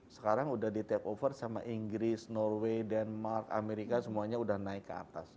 sekarang udah di take over sama inggris norway denmark amerika semuanya udah naik ke atas